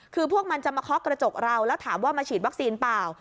คือพวกมันจะมาเคาะกระจกเราแล้วถามว่ามาฉีดวัคซีนเปล่า